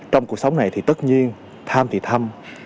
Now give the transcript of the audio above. trong cuộc sống này thì tất nhiên tham thì thăm